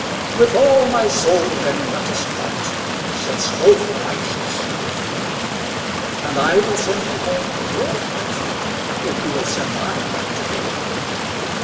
With all my soul, then, let us part, Since both are anxious to be free; And I will sand you home your heart, If you will send mine back to me.